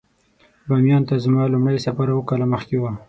بامیان ته زما لومړی سفر اووه کاله مخکې و.